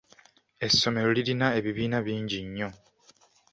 Essomero lirina ebibiina bingi nnyo.